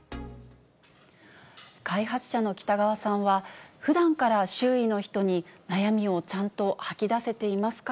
開発者の北川さんは、ふだんから周囲の人に悩みをちゃんと吐き出せていますか？